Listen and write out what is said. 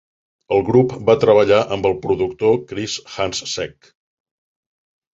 El grup va treballar amb el productor Chris Hanzsek.